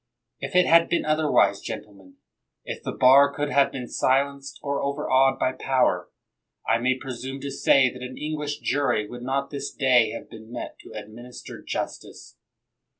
If it had been otherwise, gentlemen, if the bar could have been silenced or overawed by power, I may presume to say that an English jury would not this day have been met to administer justice.